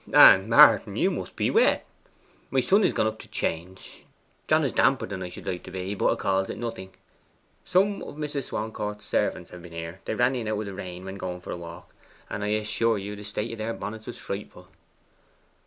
And, Martin, you must be wet. My son is gone up to change. John is damper than I should like to be, but 'a calls it nothing. Some of Mrs. Swancourt's servants have been here they ran in out of the rain when going for a walk and I assure you the state of their bonnets was frightful.